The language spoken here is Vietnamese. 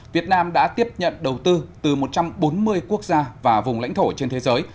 việt nam đã tiếp nhận đầu tư từ một trăm bốn mươi quốc gia và vùng lãnh thổ trên thế giới